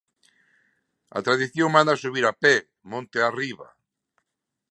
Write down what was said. A tradición manda subir a pé, monte arriba.